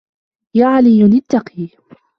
يَا عَلِيُّ اتَّقِ